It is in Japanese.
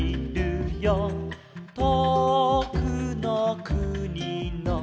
「とおくのくにの」